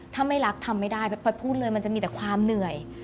ถ้าไม่รักทำไม่ได้พลอยพูดเลยมันจะมีแต่ความเหนื่อย